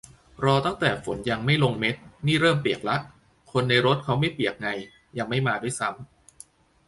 รอตั้งแต่ฝนยังไม่ลงเม็ด นี่เริ่มเปียกละ คนในรถเขาไม่เปียกไง ยังไม่มาด้วยซ้ำ